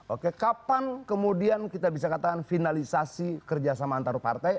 oke kapan kemudian kita bisa katakan finalisasi kerjasama antarupartai